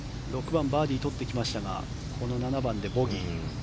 ６番バーディー取ってきましたがこの７番でボギー。